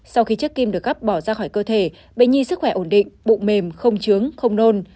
sau khi chiếc kim được gấp bỏ ra khỏi cơ thể bệnh nhi sức khỏe ổn định bụng mềm không trướng không nôn